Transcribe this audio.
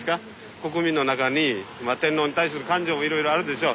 国民の中に天皇に対する感情もいろいろあるでしょう。